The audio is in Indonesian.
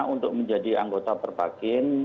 untuk menjadi anggota perbakin